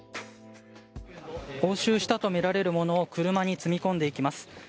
押収したとみられるものを車に積み込んでいきます。